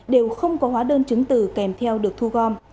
đều không có hóa đơn chứng từ kèm theo được thu gom